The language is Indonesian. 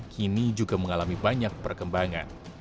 kini juga mengalami banyak perkembangan